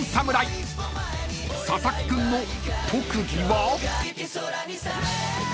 ［佐々木君の特技は］